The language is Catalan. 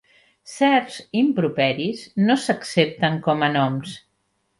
Certs improperis no s'accepten com a noms.